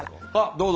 どうぞ。